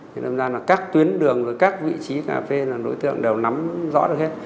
thế nên là các tuyến đường các vị trí cà phê là đối tượng đều nắm rõ được hết